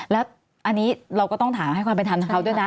แล้วอันนี้เราก็ต้องถามให้ความเป็นธรรมกับเขาด้วยนะ